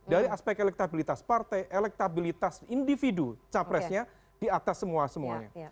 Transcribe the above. dari aspek elektabilitas partai elektabilitas individu capresnya di atas semua semuanya